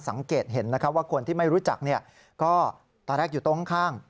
สังเกตเห็นว่าคนที่ไม่รู้จักก็ตอนแรกอยู่ตรงข้าง